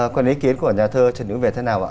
còn ý kiến của nhà thơ trần hữu về thế nào ạ